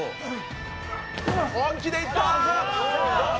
本気でいった！